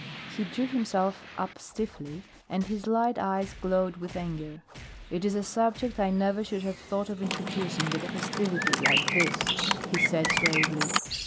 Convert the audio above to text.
He drew himself up stiffly and his light eyes glowed with anger. "It is a subject I never should have thought of introducing at a festivity like this," he said suavely.